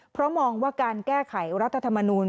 เพราะมองว่าการแก้ไขรัฐธรรมนูล